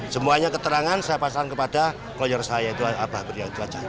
semuanya keterangan saya pasang kepada kloyor saya itu saja